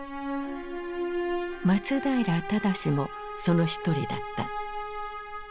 松平精もその一人だった。